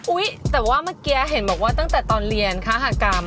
แต่ว่าเมื่อกี้เห็นบอกว่าตั้งแต่ตอนเรียนค้าหากรรม